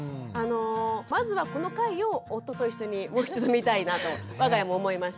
まずはこの回を夫と一緒にもう一度見たいなと我が家も思いましたし。